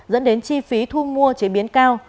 dẫn đến chi phí thu mua chế biến cao